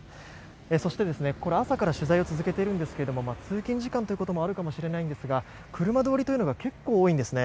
そして、ここで朝から取材を続けているんですが通勤時間ということもあるのかもしれませんが車通りというのが結構多いんですね。